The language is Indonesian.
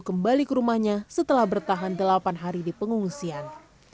kembali ke rumahnya setelah bertahan delapan hari di pengungsian